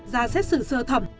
ra xét xử sơ thẩm